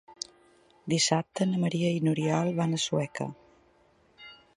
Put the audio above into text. Dissabte na Maria i n'Oriol van a Sueca.